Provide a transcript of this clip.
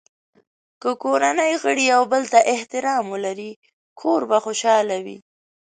که کورنۍ غړي یو بل ته احترام ولري، کور به خوشحال وي.